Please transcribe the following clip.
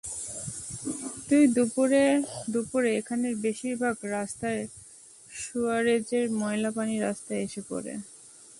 তাই দুপুরে এখানের বেশির ভাগ রাস্তায় সুয়ারেজের ময়লা পানি রাস্তায় এসে পড়ে।